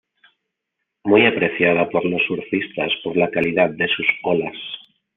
Muy apreciada por los surfistas por la calidad de sus olas.